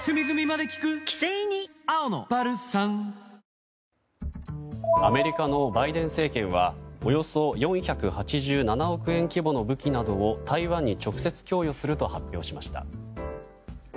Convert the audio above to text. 新しくなったアメリカのバイデン政権はおよそ４８７億円規模の武器などを、台湾に直接供与すると発表しました。